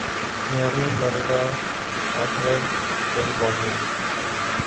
Miami Florida آکسارڈ California